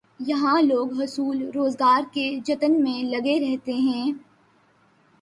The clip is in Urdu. یہاں لوگ حصول روزگار کے جتن میں لگے رہتے ہیں۔